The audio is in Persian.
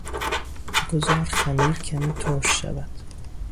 بگذار خمیر کمی ترش شود.